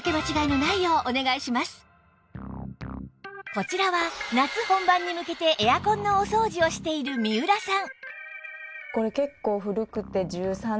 こちらは夏本番に向けてエアコンのお掃除をしている三浦さん